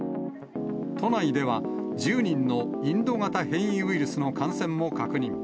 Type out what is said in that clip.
都内では１０人のインド型変異ウイルスの感染を確認。